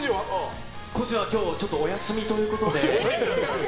こじは今日お休みということで。